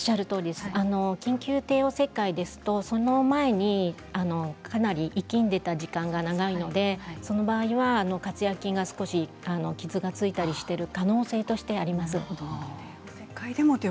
緊急帝王切開ですとその前にかなり息んでいた時間が長いのでその場合は括約筋が傷がついているのが可能性としてあります。